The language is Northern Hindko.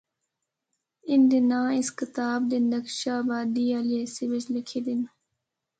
ان دے ناں اس کتاب دے نقشہ آبادی آلے حصے بچ لِکھے دے ہن۔